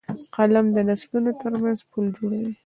قلم د نسلونو ترمنځ پُل جوړوي